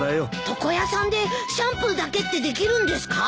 床屋さんでシャンプーだけってできるんですか？